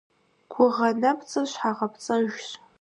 Гугъэ нэпцӀыр щхьэгъэпцӀэжщ.